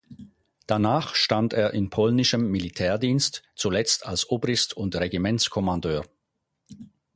Danach stand er in polnischem Militärdienst, zuletzt als Obrist und Regimentskommandeur.